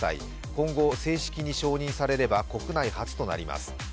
今後、正式に承認されれば国内初となります。